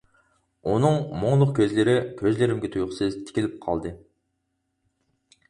ئۇنىڭ مۇڭلۇق كۆزلىرى كۆزلىرىمگە تۇيۇقسىز تىكىلىپ قالدى.